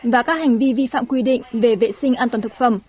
và các hành vi vi phạm quy định về vệ sinh an toàn thực phẩm